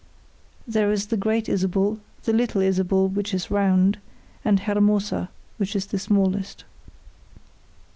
There is the Great Isabel; the Little Isabel, which is round; and Hermosa, which is the smallest.